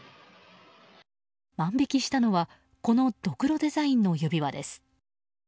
万引きしたのはこのどくろデザインの指輪です。